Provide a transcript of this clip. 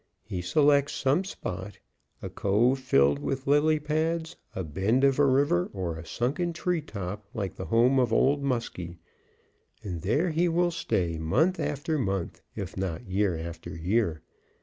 He selects some spot, a cove filled with lily pads, a bend of a river, or a sunken treetop like the home of Old Muskie, and there he will stay, month after month, if not year after year.